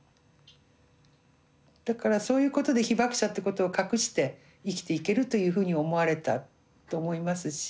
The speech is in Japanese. だからそういうことで被爆者ってことを隠して生きていけるというふうに思われたと思いますし。